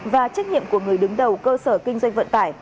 và trách nhiệm của người đứng đầu cơ sở kinh doanh vận tải